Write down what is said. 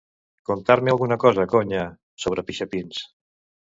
Contar-me alguna conya sobre pixapins.